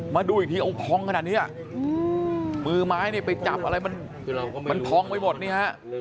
มาดูอีกทีเอาท้องขนาดเนี่ยมือไม้ไปจับอะไรมันท้องไปหมดเนี่ย